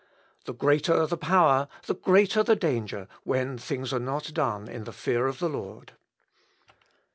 The greater the power, the greater the danger, when things are not done in the fear of the Lord."